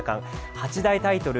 八大タイトル